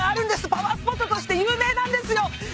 パワースポットとして有名なんですよ。